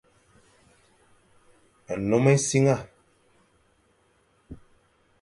Nnom essiang.